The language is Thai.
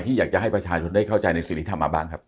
อยากจะให้ประชาชนได้เข้าใจในสิ่งที่ทำมาบ้างครับ